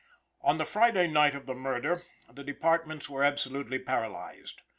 On the Friday night of the murder the departments were absolutely paralyzed.